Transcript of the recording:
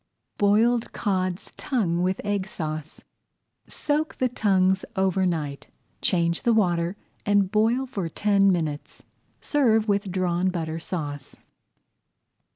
BOILED CODS' TONGUES WITH EGG SAUCE Soak the tongues over night, change the water, and boil for ten minutes. Serve with Drawn Butter Sauce.